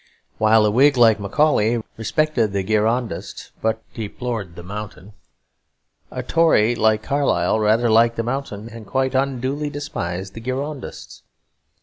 While a Whig like Macaulay respected the Girondists but deplored the Mountain, a Tory like Carlyle rather liked the Mountain and quite unduly despised the Girondists.